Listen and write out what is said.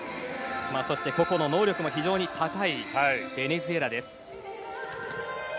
そして、個々の能力も非常に高いベネズエラです。